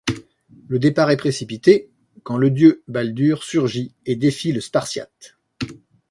Le départ est précipité quand le dieu Baldur surgit et défie le Spartiate.